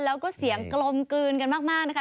แล้วก็เสียงกลมกลืนกันมากนะคะ